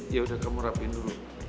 ya udah kamu rapin dulu